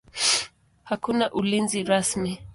Hakuna ulinzi rasmi.